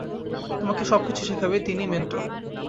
তোমাকে সব কিছু শেখাবে, তিনিই মেন্টর।